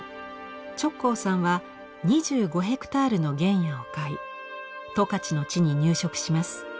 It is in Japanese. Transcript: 直行さんは２５ヘクタールの原野を買い十勝の地に入植します。